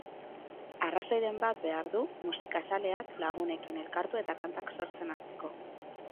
Arrazoiren bat behar du musikazaleak, lagunekin elkartu eta kantak sortzen hasteko.